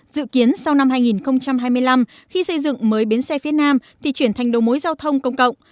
dự kiến sau năm hai nghìn hai mươi năm khi xây dựng mới bến xe phía nam thì chuyển thành đầu mối giao thông công cộng